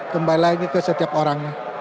kembali lagi ke setiap orang